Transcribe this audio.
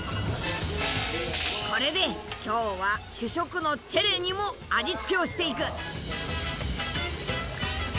これで今日は主食のチェレにも味付けをしていく。